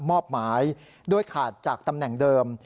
มอบหมายโดยขาดจากตำแหน่งเดิม